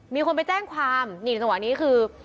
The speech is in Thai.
มีคนไปแจ้งความนี่จังหวะนี้คือ